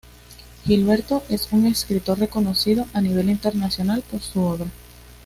Gilberto es un escritor reconocido a nivel internacional por su obra.